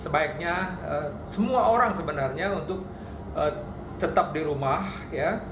sebaiknya semua orang sebenarnya untuk tetap di rumah ya